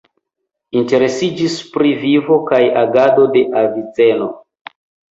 Interesiĝis pri vivo kaj agado de Aviceno.